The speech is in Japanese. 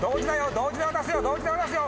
同時に渡すよ同時に渡すよ